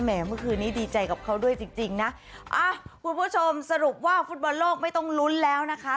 เมื่อคืนนี้ดีใจกับเขาด้วยจริงจริงนะอ่ะคุณผู้ชมสรุปว่าฟุตบอลโลกไม่ต้องลุ้นแล้วนะคะ